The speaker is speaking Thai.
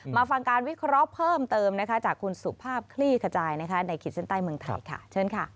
มาฟังการวิเคราะห์เพิ่มเติมจากครูสุภาพคลีขจายในคิดเส้นใต้เมืองไทย